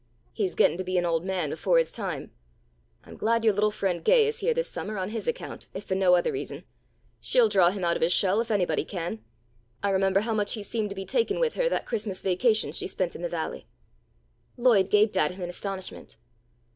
He's getting to be an old man before his time. I'm glad your little friend Gay is here this summer, on his account, if for no other reason. She'll draw him out of his shell if anybody can. I remember how much he seemed to be taken with her that Christmas Vacation she spent in the Valley." Lloyd gaped at him in astonishment.